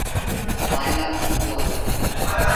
Maila altua du.